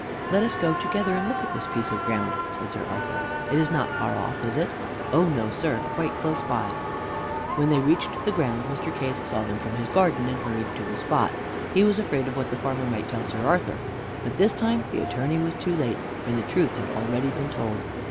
"Let us go together and look at this piece of ground," said Sir Arthur. "It is not far off, is it?" "Oh, no, sir, close by." When they reached the ground, Mr. Case saw them from his garden and hurried to the spot. He was afraid of what the farmer might tell Sir Arthur. But this time the Attorney was too late, for the truth had already been told.